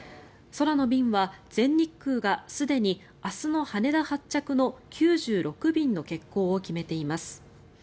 空の便は全日空がすでに明日の羽田発着の９６便の欠航を決めています。